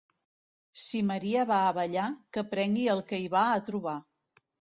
Si Maria va a ballar, que prengui el que hi va a trobar.